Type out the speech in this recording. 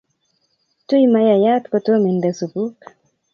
Tui mayayat kotom inde supuk.